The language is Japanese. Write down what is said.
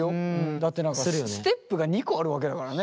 だってステップが２個あるわけだからね。